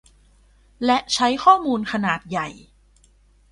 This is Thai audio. และใช้ข้อมูลขนาดใหญ่